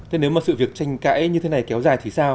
thế nếu mà sự việc tranh cãi như thế này kéo dài thì sao